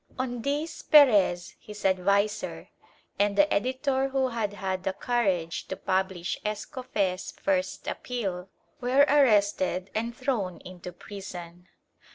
On these Perez, his adviser, and the editor who had had the courage to publish Escofee's first appeal, were arrested and thrown into prison.